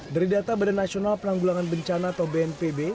dari data badan nasional penanggulangan bencana atau bnpb